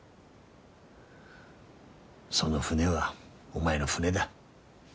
その船はお前の船だ。